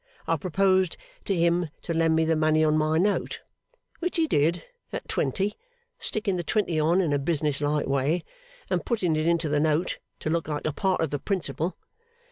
I proposed to him to lend me the money on my note. Which he did, at twenty; sticking the twenty on in a business like way, and putting it into the note, to look like a part of the principal.